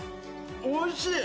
おいしい！